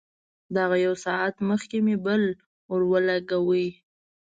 دغه يو ساعت مخکې مې بل ورولګاوه.